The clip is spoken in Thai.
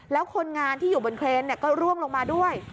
แล้วคนงานที่อยู่บนเครนก็ร่วงลงมาด้วย